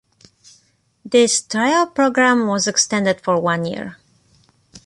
This trial program was extended for one year.